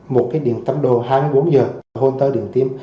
một cái điện tâm đồ hai mươi bốn h hôn tới điện tim